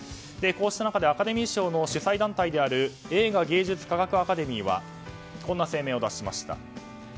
こうした中でアカデミー賞の主催団体である映画芸術科学アカデミーはこんな声明を出しました。